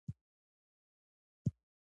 پر را روانې اورګاډي مې سترګې ولګېدلې.